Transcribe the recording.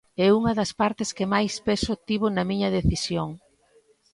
É unha das partes que máis peso tivo na miña decisión.